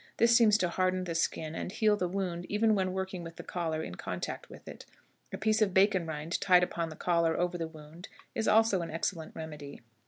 This seems to harden the skin and heal the wound even when working with the collar in contact with it. A piece of bacon rind tied upon the collar over the wound is also an excellent remedy.